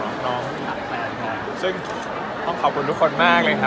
ต้องขอบคุณลูกคนมากเลยครับผม